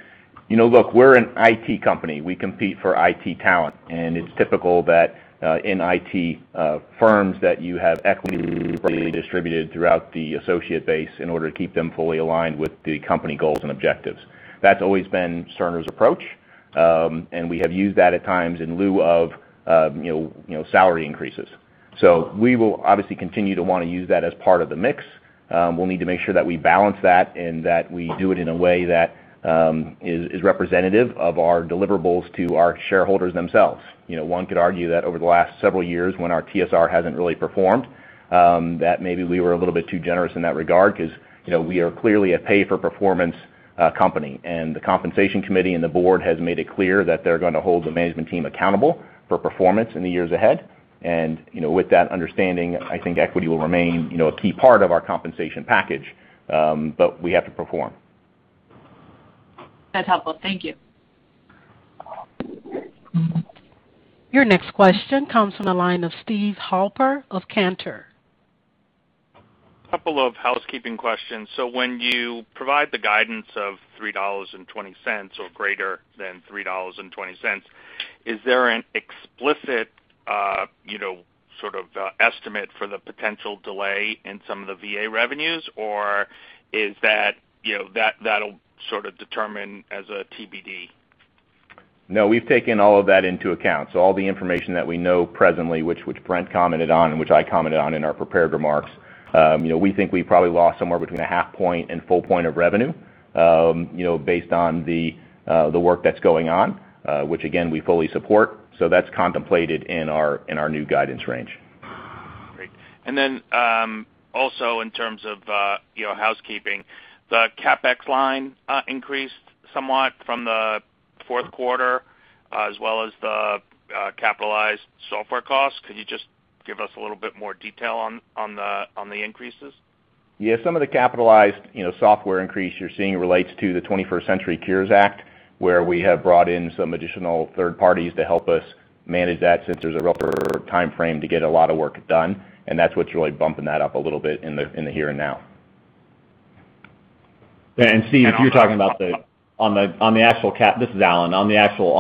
Look, we're an IT company. We compete for IT talent. It's typical that in IT firms that you have equity distributed throughout the associate base in order to keep them fully aligned with the company goals and objectives. That's always been Cerner's approach. We have used that at times in lieu of salary increases. We will obviously continue to want to use that as part of the mix. We'll need to make sure that we balance that and that we do it in a way that is representative of our deliverables to our shareholders themselves. One could argue that over the last several years, when our TSR hasn't really performed, that maybe we were a little bit too generous in that regard, because we are clearly a pay-for-performance company. The compensation committee and the board has made it clear that they're going to hold the management team accountable for performance in the years ahead. With that understanding, I think equity will remain a key part of our compensation package, but we have to perform. That's helpful. Thank you. Your next question comes from the line of Steven Halper of Cantor. Couple of housekeeping questions. When you provide the guidance of $3.20 or greater than $3.20, is there an explicit sort of estimate for the potential delay in some of the VA revenues, or is that'll sort of determine as a TBD? No, we've taken all of that into account. All the information that we know presently, which Brent commented on and which I commented on in our prepared remarks. We think we probably lost somewhere between a half point and full point of revenue based on the work that's going on, which again, we fully support. That's contemplated in our new guidance range. Great. Then also in terms of housekeeping, the CapEx line increased somewhat from the fourth quarter as well as the capitalized software cost. Could you just give us a little bit more detail on the increases? Some of the capitalized software increase you're seeing relates to the 21st Century Cures Act, where we have brought in some additional third parties to help us manage that since there's a timeframe to get a lot of work done. That's what's really bumping that up a little bit in the here and now. Steve, if you're talking about the, this is Allan. On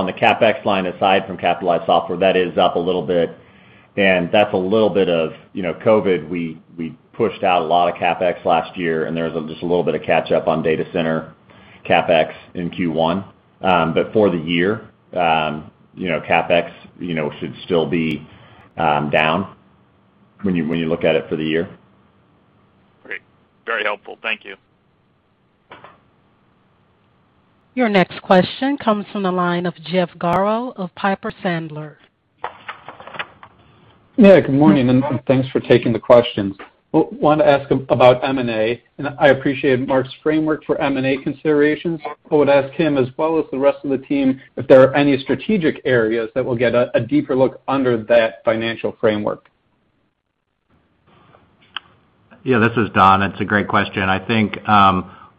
the CapEx line, aside from capitalized software, that is up a little bit, and that's a little bit of COVID. We pushed out a lot of CapEx last year, and there was just a little bit of catch up on data center CapEx in Q1. For the year, CapEx should still be down when you look at it for the year. Great. Very helpful. Thank you. Your next question comes from the line of Jeff Garro of Piper Sandler. Yeah, good morning, and thanks for taking the questions. Want to ask about M&A, and I appreciated Mark Erceg's framework for M&A considerations. I would ask him as well as the rest of the team if there are any strategic areas that will get a deeper look under that financial framework. Yeah, this is Don. It's a great question. I think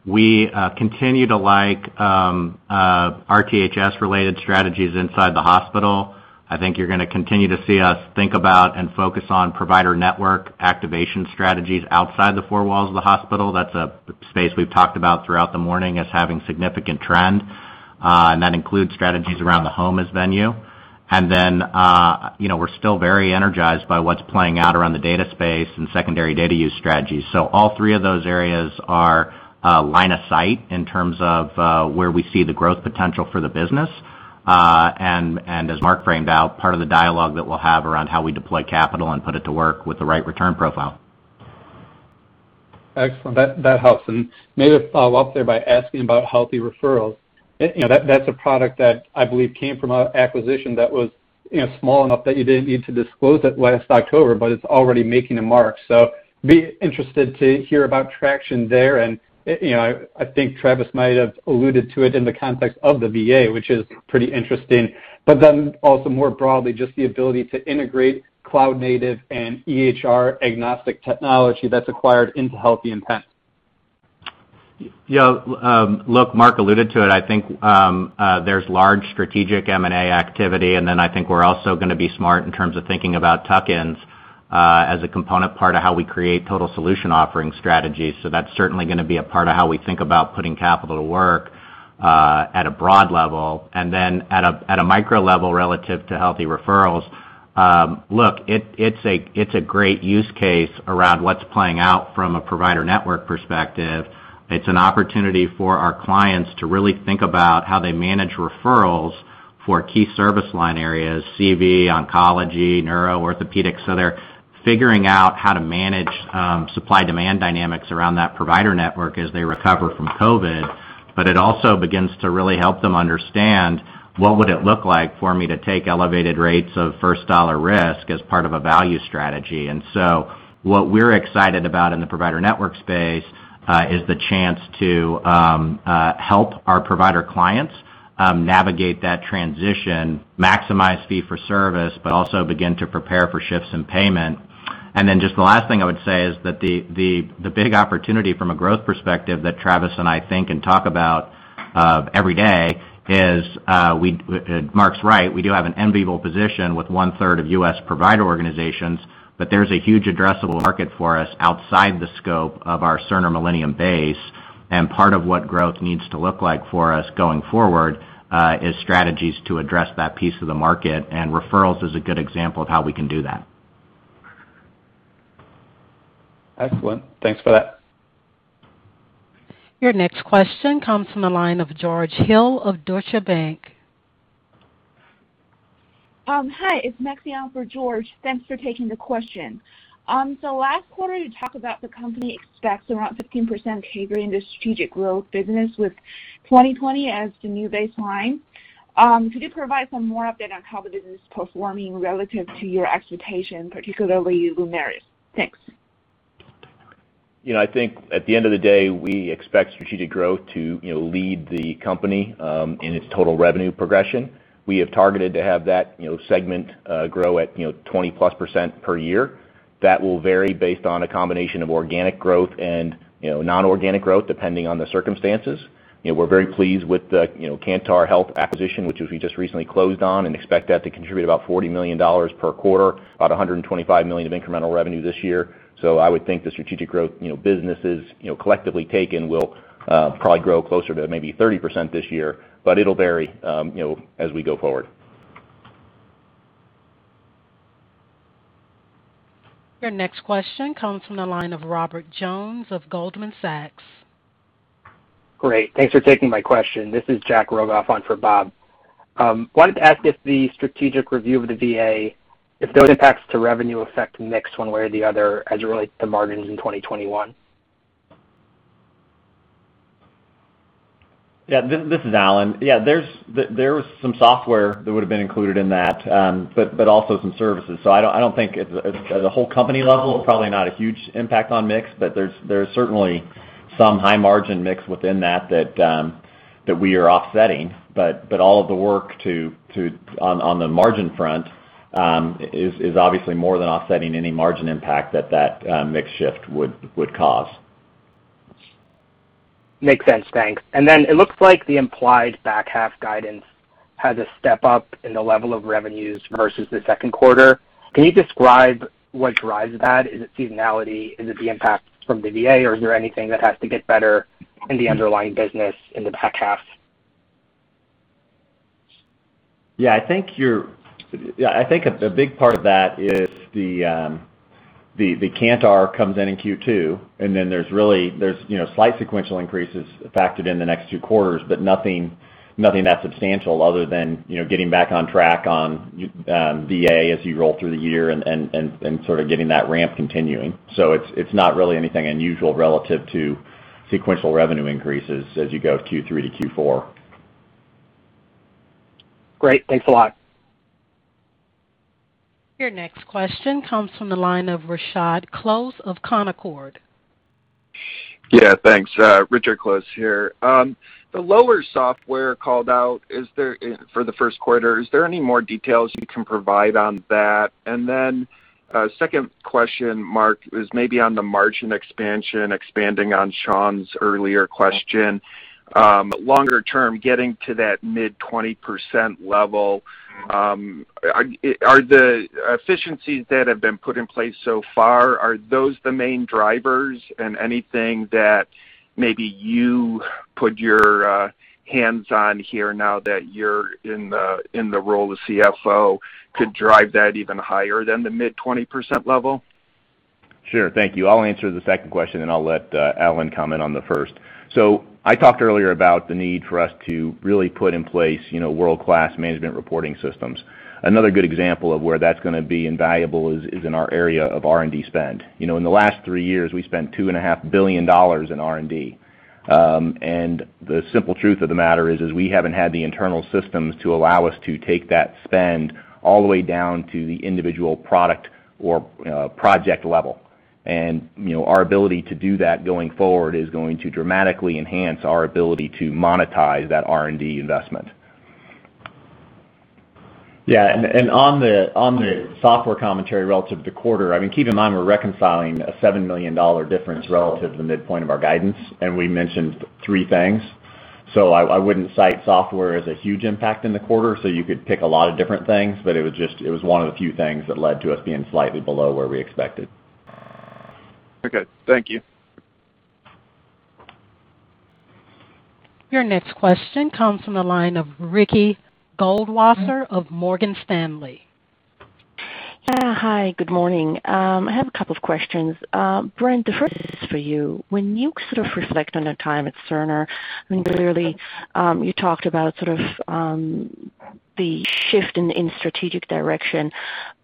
we continue to like our RTHS-related strategies inside the hospital. You're going to continue to see us think about and focus on provider network activation strategies outside the four walls of the hospital. That's a space we've talked about throughout the morning as having significant trend, that includes strategies around the home as venue. We're still very energized by what's playing out around the data space and secondary data use strategies. All three of those areas are line of sight in terms of where we see the growth potential for the business. As Mark framed out, part of the dialogue that we'll have around how we deploy capital and put it to work with the right return profile. Excellent. That helps. Maybe a follow-up there by asking about HealtheReferrals. That's a product that I believe came from an acquisition that was small enough that you didn't need to disclose it last October, but it's already making a mark. Be interested to hear about traction there, and I think Travis might have alluded to it in the context of the VA, which is pretty interesting. Also more broadly, just the ability to integrate cloud native and EHR agnostic technology that's acquired into HealtheIntent. Look, Mark alluded to it. Then I think we're also going to be smart in terms of thinking about tuck-ins, as a component part of how we create total solution offering strategies. That's certainly going to be a part of how we think about putting capital to work at a broad level. Then at a micro level relative to HealtheReferrals, look, it's a great use case around what's playing out from a provider network perspective. It's an opportunity for our clients to really think about how they manage referrals for key service line areas, CV, oncology, neuro, orthopedics. They're figuring out how to manage supply-demand dynamics around that provider network as they recover from COVID, but it also begins to really help them understand what would it look like for me to take elevated rates of first dollar risk as part of a value strategy. What we're excited about in the provider network space is the chance to help our provider clients navigate that transition, maximize fee for service, but also begin to prepare for shifts in payment. Just the last thing I would say is that the big opportunity from a growth perspective that Travis and I think and talk about every day is Mark's right, we do have an enviable position with 1/3 of U.S. provider organizations, but there's a huge addressable market for us outside the scope of our Cerner Millennium base. Part of what growth needs to look like for us going forward, is strategies to address that piece of the market, and referrals is a good example of how we can do that. Excellent. Thanks for that. Your next question comes from the line of George Hill of Deutsche Bank. Hi, it's Max on for George. Thanks for taking the question. Last quarter you talked about the company expects around 15% CAGR in the strategic growth business with 2020 as the new baseline. Could you provide some more update on how the business is performing relative to your expectation, particularly Lumeris? Thanks. I think at the end of the day, we expect strategic growth to lead the company in its total revenue progression. We have targeted to have that segment grow at 20%+ per year. That will vary based on a combination of organic growth and non-organic growth, depending on the circumstances. We're very pleased with the Kantar Health acquisition, which we just recently closed on, and expect that to contribute about $40 million per quarter, about $125 million of incremental revenue this year. I would think the strategic growth businesses collectively taken will probably grow closer to maybe 30% this year, but it'll vary as we go forward. Your next question comes from the line of Robert Jones of Goldman Sachs. Great. Thanks for taking my question. This is Jack Rogoff on for Bob. Wanted to ask if the strategic review of the VA, if those impacts to revenue affect mix one way or the other as it relates to margins in 2021. This is Allan. There was some software that would've been included in that, but also some services. I don't think at the whole company level, probably not a huge impact on mix, but there's certainly some high margin mix within that we are offsetting. All of the work on the margin front is obviously more than offsetting any margin impact that mix shift would cause. Makes sense. Thanks. It looks like the implied back half guidance has a step up in the level of revenues versus the second quarter. Can you describe what drives that? Is it seasonality? Is it the impact from the VA? Is there anything that has to get better in the underlying business in the back half? I think a big part of that is the Kantar comes in in Q2, and then there's slight sequential increases factored in the next two quarters, but nothing that substantial other than getting back on track on VA as you roll through the year and sort of getting that ramp continuing. It's not really anything unusual relative to sequential revenue increases as you go Q3 to Q4. Great. Thanks a lot. Your next question comes from the line of Richard Close of Canaccord. Yeah, thanks. Richard Close here. The lower software called out for the first quarter, is there any more details you can provide on that? Second question, Mark, is maybe on the margin expansion, expanding on Sean's earlier question. Longer term, getting to that mid-20% level. Are the efficiencies that have been put in place so far, are those the main drivers and anything that maybe you put your hands on here now that you're in the role of CFO could drive that even higher than the mid-20% level? Sure. Thank you. I'll answer the second question. I'll let Allan comment on the first. I talked earlier about the need for us to really put in place world-class management reporting systems. Another good example of where that's going to be invaluable is in our area of R&D spend. In the last three years, we spent $2.5 billion in R&D. The simple truth of the matter is we haven't had the internal systems to allow us to take that spend all the way down to the individual product or project level. Our ability to do that going forward is going to dramatically enhance our ability to monetize that R&D investment. Yeah. On the software commentary relative to quarter, keep in mind, we're reconciling a $7 million difference relative to the midpoint of our guidance, and we mentioned three things. I wouldn't cite software as a huge impact in the quarter. You could pick a lot of different things, but it was one of the few things that led to us being slightly below where we expected. Okay. Thank you. Your next question comes from the line of Ricky Goldwasser of Morgan Stanley. Yeah. Hi, good morning. I have a couple of questions. Brent, the first is for you. When you sort of reflect on your time at Cerner, clearly, you talked about sort of the shift in strategic direction,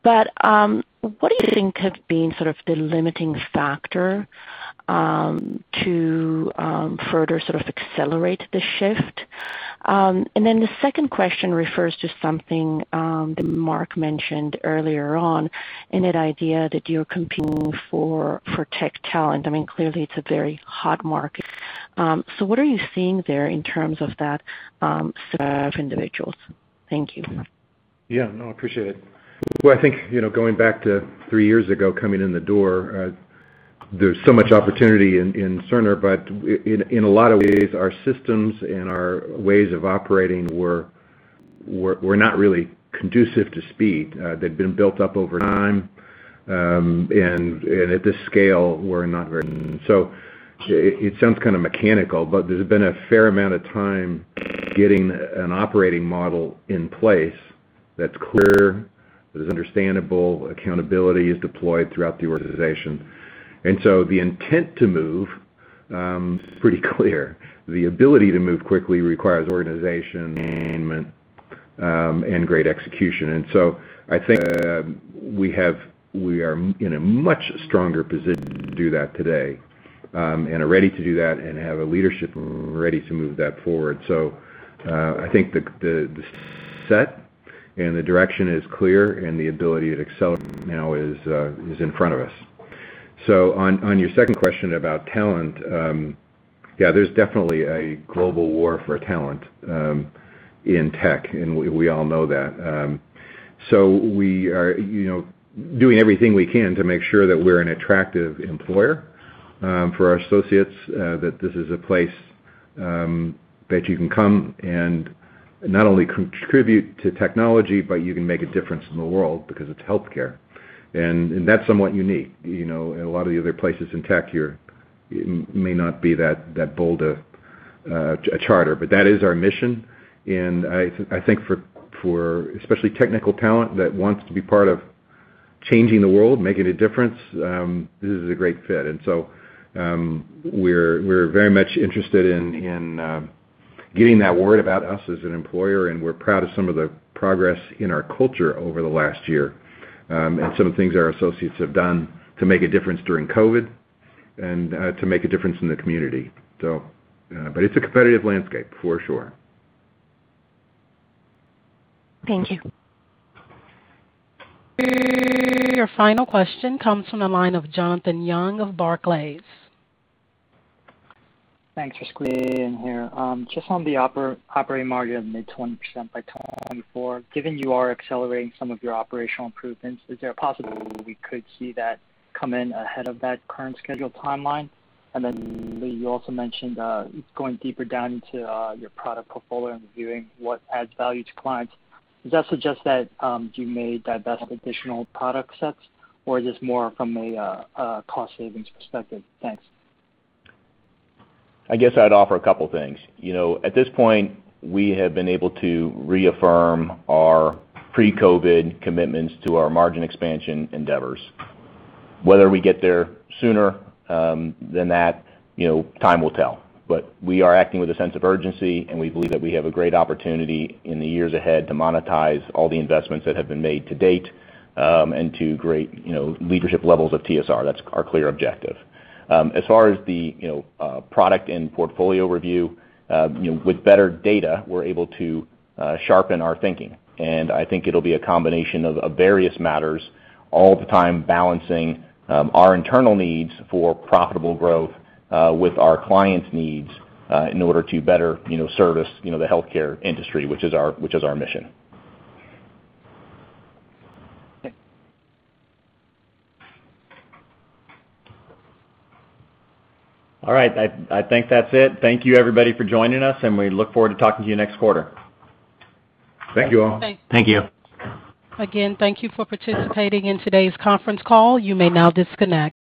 but what do you think have been sort of the limiting factor to further sort of accelerate the shift? The second question refers to something that Mark mentioned earlier on, and that idea that you're competing for tech talent. Clearly it's a very hot market. What are you seeing there in terms of that set of individuals? Thank you. Yeah, no, I appreciate it. I think, going back to three years ago, coming in the door, there's so much opportunity in Cerner, but in a lot of ways, our systems and our ways of operating were not really conducive to speed. They'd been built up over time. At this scale, were not written. It sounds kind of mechanical, but there's been a fair amount of time getting an operating model in place that's clear, that is understandable, accountability is deployed throughout the organization. The intent to move is pretty clear. The ability to move quickly requires organization, alignment, and great execution. I think we are in a much stronger position to do that today, and are ready to do that and have a leadership ready to move that forward. I think the set and the direction is clear and the ability to accelerate now is in front of us. On your second question about talent, yeah, there's definitely a global war for talent in tech, and we all know that. We are doing everything we can to make sure that we're an attractive employer for our associates, that this is a place that you can come and not only contribute to technology, but you can make a difference in the world because it's healthcare. That's somewhat unique. In a lot of the other places in tech here, may not be that bold a charter. That is our mission, and I think for especially technical talent that wants to be part of changing the world, making a difference, this is a great fit. We're very much interested in getting that word about us as an employer, and we're proud of some of the progress in our culture over the last year, and some things our associates have done to make a difference during COVID and to make a difference in the community. It's a competitive landscape for sure. Thank you. Your final question comes from the line of Jonathan Yong of Barclays. Thanks for squeezing me in here. Just on the operating margin of mid 20% by 2024. Given you are accelerating some of your operational improvements, is there a possibility we could see that come in ahead of that current scheduled timeline? You also mentioned, going deeper down into your product portfolio and reviewing what adds value to clients. Does that suggest that you may divest additional product sets or is this more from a cost savings perspective? Thanks. I guess I'd offer a couple things. At this point, we have been able to reaffirm our pre-COVID commitments to our margin expansion endeavors. Whether we get there sooner than that, time will tell. We are acting with a sense of urgency, and we believe that we have a great opportunity in the years ahead to monetize all the investments that have been made to date, and to great leadership levels of TSR. That's our clear objective. As far as the product and portfolio review, with better data, we're able to sharpen our thinking. I think it'll be a combination of various matters all the time balancing our internal needs for profitable growth, with our clients' needs, in order to better service the healthcare industry, which is our mission. Thanks. All right. I think that's it. Thank you everybody for joining us. We look forward to talking to you next quarter. Thank you all. Thanks. Thank you. Again, thank you for participating in today's conference call. You may now disconnect.